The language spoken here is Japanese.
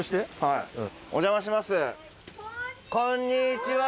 こんにちは！